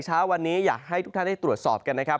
เช้าวันนี้อยากให้ทุกท่านได้ตรวจสอบกันนะครับ